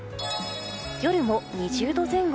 夜も２０度前後。